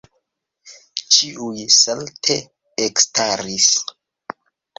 Ĉiuj salte ekstaris.